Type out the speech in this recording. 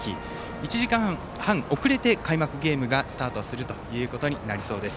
１時間半遅れて開幕ゲームがスタートすることになりそうです。